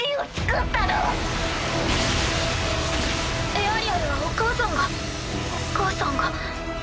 エアリアルはお母さんがお母さんが。